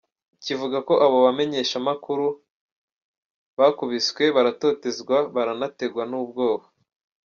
Kivuga ko abo bamenyeshamakuru bakubiswe, baratotezwa, baranategwa n'ubwoba.